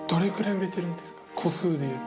個数でいうと。